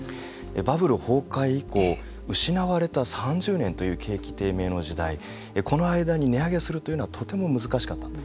バブル崩壊以降失われた３０年という景気低迷の時代この間に値上げするというのはとても難しかったと。